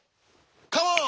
カモン！